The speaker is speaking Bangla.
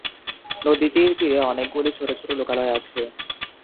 নদীটির তীরে অনেকগুলি ছোট ছোট লোকালয় আছে।